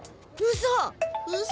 うそ！